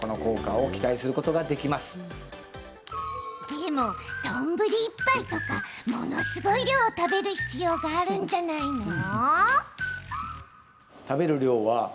でもどんぶり１杯とかものすごい量を食べる必要があるんじゃないの？